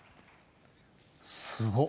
すごい。